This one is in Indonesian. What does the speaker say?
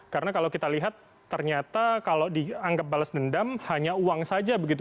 karena kalau kita lihat ternyata kalau dianggap balas dendam hanya uang saja begitu